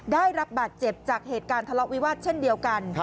ได้รับบาดเจ็บจากเหตุการณ์ทะเลาะวิวาสเช่นเดียวกัน